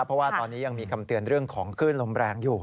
เพราะว่าตอนนี้ยังมีคำเตือนเรื่องของคลื่นลมแรงอยู่